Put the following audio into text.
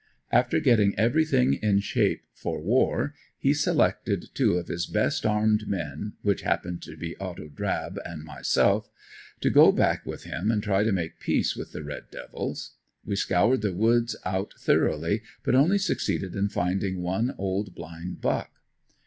After getting everything in shape for war, he selected two of his best armed men, which happened to be Otto Draub and myself, to go back with him and try to make peace with the red devils. We scoured the woods out thoroughly, but only succeeded in finding one old, blind "buck."